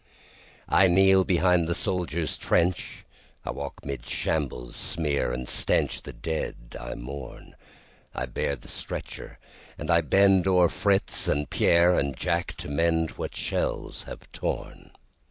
I kneel behind the soldier's trench,I walk 'mid shambles' smear and stench, The dead I mourn;I bear the stretcher and I bendO'er Fritz and Pierre and Jack to mendWhat shells have torn.